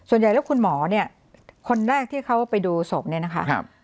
ส่วนใหญ่แล้วคุณหมอเนี่ยคนแรกที่เขาไปดูศพเนี่ยนะคะ